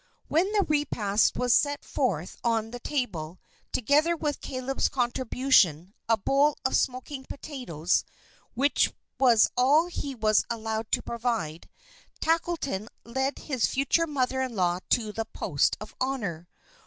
When the repast was set forth on the table, together with Caleb's contribution, a bowl of smoking potatoes, which was all he was allowed to provide, Tackleton led his future mother in law to the post of honor.